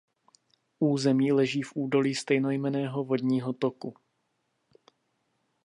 Území leží v údolí stejnojmenného vodního toku.